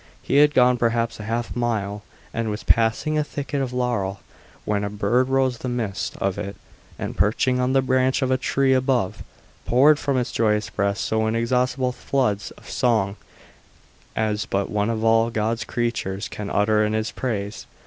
He had gone perhaps a half mile, and was passing a thicket of laurel, when a bird rose from the midst of it and perching on the branch of a tree above, poured from its joyous breast so inexhaustible floods of song as but one of all God's creatures can utter in His praise.